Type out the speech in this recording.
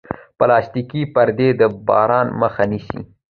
پلاستيکي پردې د باران مخه نیسي.